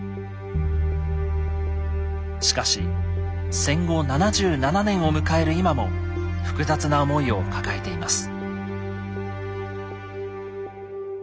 しかし戦後７７年を迎える今も複雑な思いを抱えています。